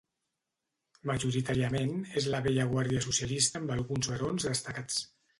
Majoritàriament, és la vella guàrdia socialista amb alguns barons destacats.